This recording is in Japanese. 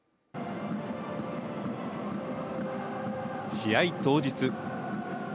試合当日。